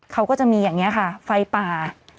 เขาก็จะมีอย่างนี้ค่ะไฟป่า